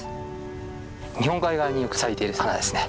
日本海側によく咲いている花ですね。